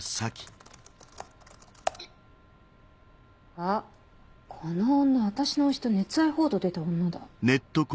あっこの女私の推しと熱愛報道出た女だ。